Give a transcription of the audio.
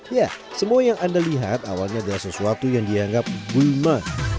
ya semua yang anda lihat awalnya adalah sesuatu yang dianggap bulma